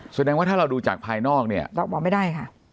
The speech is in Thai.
แสดงว่าถ้าเราดูจากภายนอกเนี่ยเราบอกไม่ได้ค่ะ